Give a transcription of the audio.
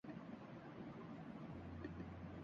باگ ڈور اب سائنس کے ہاتھ میں ھے